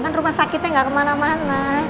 kan rumah sakitnya nggak kemana mana